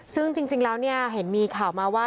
ซึ่งจริงแล้วเนี่ยเห็นมีข่าวมาว่า